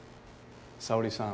沙織さん